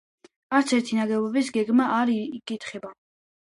არც ერთი ნაგებობის გეგმა არ იკითხება.